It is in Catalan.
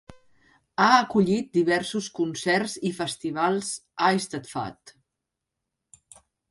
Ha acollit diversos concerts i festivals eisteddfod.